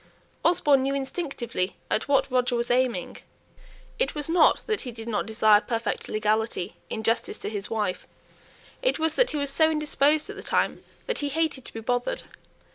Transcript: Osborne knew instinctively at what Roger was aiming. It was not that he did not desire perfect legality in justice to his wife; it was that he was so indisposed at the time that he hated to be bothered.